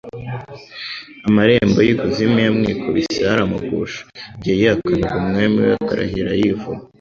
Amarembo y'ikuzimu yamwikubiseho aramugusha igihe yihakanaga Umwami we akarahira yivuma.